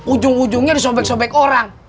ujung ujungnya disobek sobek orang